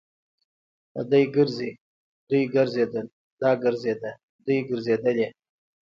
دی ګرځي. دوی ګرځيدل. دا ګرځيده. دوی ګرځېدلې.